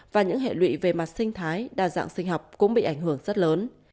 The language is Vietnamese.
và những hệ lụy về mặt sinh thái đa dạng sinh học cũng bị ảnh hưởng rất lớn